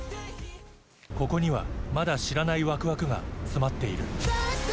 ここにはまだ知らないわくわくが詰まっている。